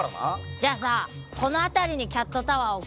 じゃあさこの辺りにキャットタワー置くのはどう？